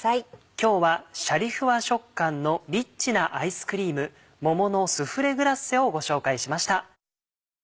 今日はシャリふわ食感のリッチなアイスクリーム「桃のスフレグラッセ」をご紹介しました。